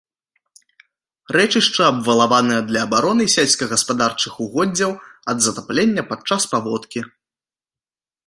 Рэчышча абвалаванае для абароны сельскагаспадарчых угоддзяў ад затаплення падчас паводкі.